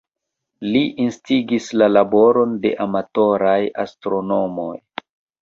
Li instigis la laboron de amatoraj astronomoj.